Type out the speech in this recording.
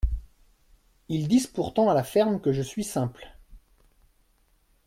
Ils disent pourtant à la ferme que je suis simple.